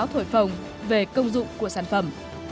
và báo thổi phồng về công dụng của sản phẩm